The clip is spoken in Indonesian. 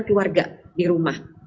keluarga di rumah